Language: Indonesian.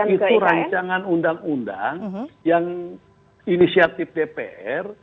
itu rancangan undang undang yang inisiatif dpr